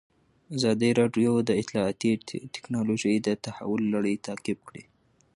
ازادي راډیو د اطلاعاتی تکنالوژي د تحول لړۍ تعقیب کړې.